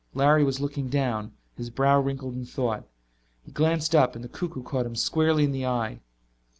Larry was looking down, his brow wrinkled in thought. He glanced up, and the cuckoo caught him squarely in the eye.